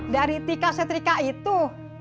dari tika setrika itu